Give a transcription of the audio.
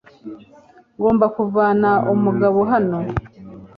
Ngomba kuvana mugabo hano